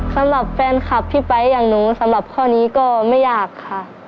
สำหรับแฟนคลับพี่ไป๊อย่างหนูสำหรับข้อนี้ก็ไม่อยากค่ะ